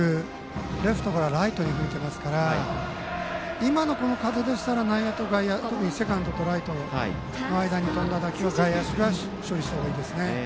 レフトからライトに吹いていますから今のこの風でしたらセカンドとライトの間に飛んだ打球は外野手が処理したほうがいいですね。